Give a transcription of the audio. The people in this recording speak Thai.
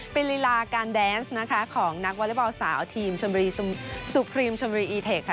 เป็นรีลาการแดนส์นะคะของนักวอลเลอร์บอลสาวทีมชมสุพรีมชมอีเทคค่ะ